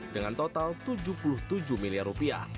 dengan total tujuh puluh tujuh miliar rupiah